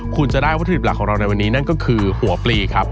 คุณจะได้วัตถุดิบหลักของเราในวันนี้นั่นก็คือหัวปลีครับ